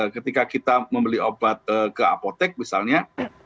ketika kita membeli obat ke apotek misalnya